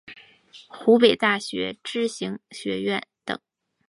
湖北大学知行学院等